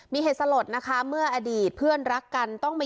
มีเหตุสลดนะคะเมื่ออดีตเพื่อนรักกันต้องมี